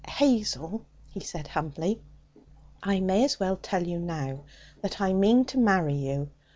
'Hazel,' he said humbly, 'I may as well tell you now that I mean to marry you.